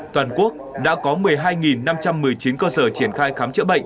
toàn quốc đã có một mươi hai năm trăm một mươi chín cơ sở triển khai khám chữa bệnh